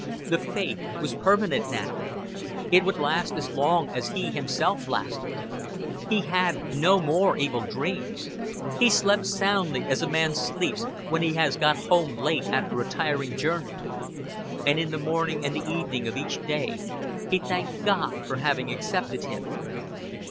The faith was permanent now: it would last as long as he himself lasted. He had no more evil dreams. He slept soundly, as a man sleeps when he has got home late after a tiring journey. And in the morning and the evening of each day he thanked God for having accepted him.